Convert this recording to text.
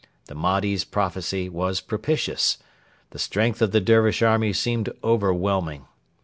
The Mahdi's prophecy was propitious. The strength of the Dervish army seemed overwhelming.